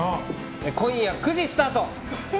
今夜９時スタート。